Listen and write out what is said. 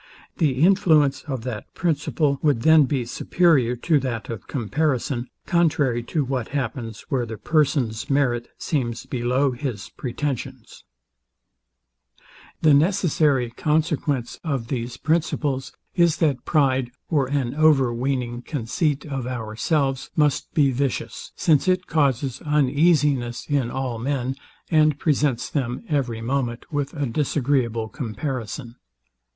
The influence of that principle would then be superior to that of comparison, contrary to what happens where the person's merit seems below his pretensions. Book II. Part II. Sect. X. The necessary consequence of these principles is, that pride, or an over weaning conceit of ourselves, must be vicious; since it causes uneasiness in all men, and presents them every moment with a disagreeable comparison.